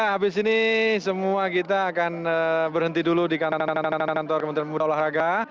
ya habis ini semua kita akan berhenti dulu di kanan kanan kantor kementerian muda olahraga